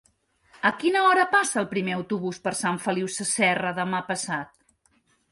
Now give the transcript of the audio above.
A quina hora passa el primer autobús per Sant Feliu Sasserra demà passat?